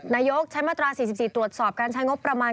นายกใช้มาตรา๔๔ตรวจสอบการใช้งบประมาณ